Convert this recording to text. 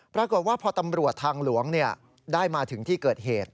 ปรากฏว่าพอตำรวจทางหลวงได้มาถึงที่เกิดเหตุ